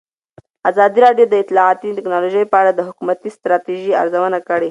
ازادي راډیو د اطلاعاتی تکنالوژي په اړه د حکومتي ستراتیژۍ ارزونه کړې.